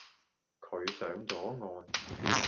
佢上咗岸